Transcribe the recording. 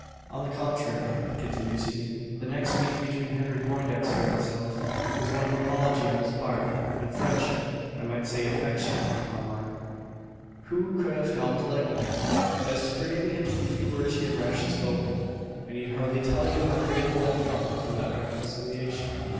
"On the contrary," continues he, "the next meeting between Henry Poindexter and myself, was one of apology on his part, and friendship I might say affection on mine. "Who could have helped liking him? As to forgiving him for the few words he had rashly spoken, I need hardly tell you how grateful I felt for that reconciliation."